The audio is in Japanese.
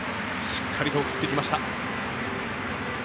しっかりと送ってきました。